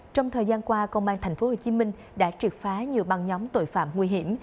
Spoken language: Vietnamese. trong thời gian qua công an tp hcm đã triệt phá nhiều băng nhóm tội phạm nguy hiểm